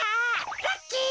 ラッキー。